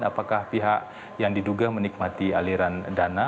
apakah pihak yang diduga menikmati aliran dana